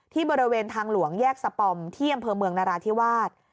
ที่บริเวณทางหลวงแยกสปอมเที่ยมเผอร์เมืองนาราธิวาส